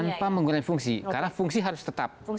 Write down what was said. tanpa menggunakan fungsi karena fungsi harus tetap